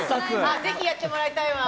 ぜひやってもらいたいわ。